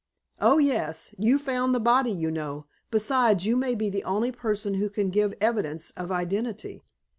"Oh, yes. You found the body, you know. Besides, you may be the only person who can give evidence of identity.